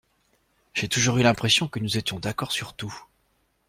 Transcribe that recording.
J’ai toujours eu l’impression que nous étions d’accord sur tout.